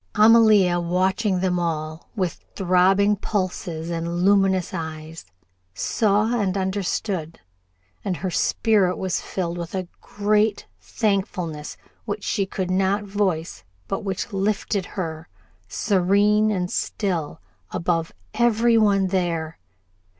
Amalia, watching them all, with throbbing pulses and luminous eyes, saw and understood, and her spirit was filled with a great thankfulness which she could not voice, but which lifted her, serene and still, above every one there.